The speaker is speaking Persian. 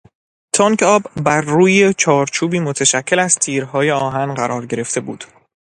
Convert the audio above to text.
تانک آب برروی چارچوبی متشکل از تیرهای آهن قرار گرفته بود.